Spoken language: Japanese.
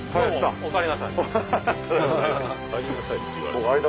おかえりなさい。